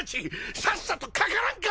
さっさとかからんか！